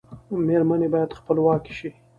میرمنې باید خپلواکې شي.